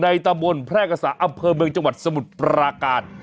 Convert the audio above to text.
ตำบลแพร่กษาอำเภอเมืองจังหวัดสมุทรปราการ